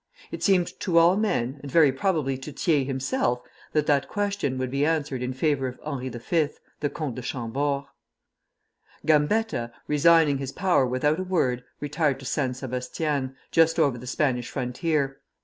It seemed to all men, and very probably to Thiers himself, that that question would be answered in favor of Henri V., the Comte de Chambord. Gambetta, resigning his power without a word, retired to San Sebastian, just over the Spanish frontier.